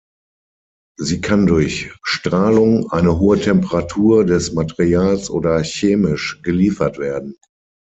Sie kann durch Strahlung, eine hohe Temperatur des Materials oder chemisch geliefert werden.